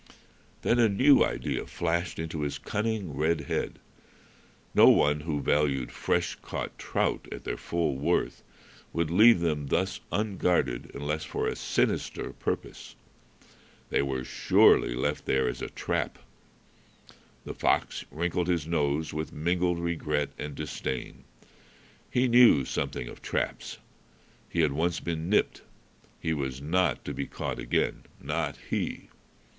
Then a new idea flashed into his cunning red head. No one who valued fresh caught trout at their full worth would leave them thus unguarded unless for a sinister purpose. They were surely left there as a trap. The fox wrinkled his nose with mingled regret and disdain. He knew something of traps. He had once been nipped. He was not to be caught again, not he.